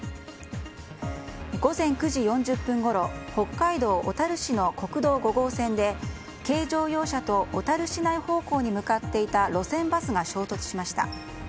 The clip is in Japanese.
午前９時４０分ごろ北海道小樽市の国道５号線で軽乗用車と小樽市内方面に向かっていた路線バスが衝突しました。